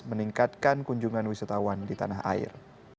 meningkatkan kunjungan wisatawan di tanah air